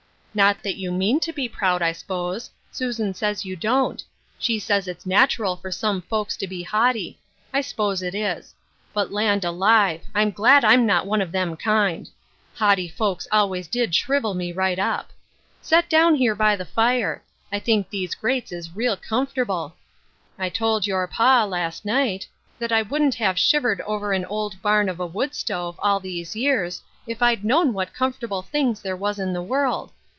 Not that you mean to be Bitter Herbs. 61 proud, I s'pose ; Susan says you don't. She says it's natural for some folks to be haughty. I s'pose it is. But, land alive I I'm glad I'm not one of them kind. Haughty folks always did ftlirivel me right up. Set down here by the fire. I think these grates is real comfortable, I told your pa, last night, that I wouldn't have shiv ered over an old barn of a wood stove, all these years, if I'd known what comfortable things there was in the world.